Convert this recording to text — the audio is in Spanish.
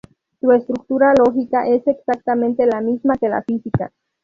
Su estructura lógica es exactamente la misma que la física.